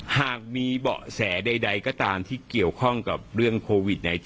หากมีเบาะแสใดก็ตามที่เกี่ยวข้องกับเรื่องโควิด๑๙